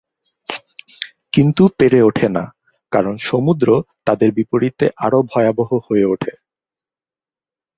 কিন্তু পেরে ওঠে না, কারণ সমুদ্র তাদের বিপরীতে আরো ভয়াবহ হয়ে ওঠে।